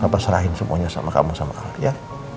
gak pasrahin semuanya sama kamu sama allah ya